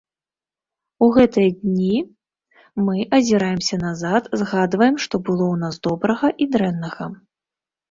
У гэтыя дні мы азіраемся назад, згадваем, што было ў нас добрага і дрэннага.